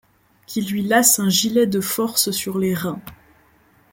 Qui lui lace un gilet de force sur les reins.